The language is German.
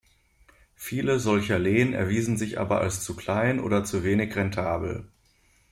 Viele solcher Lehen erwiesen sich aber als zu klein oder zu wenig rentabel.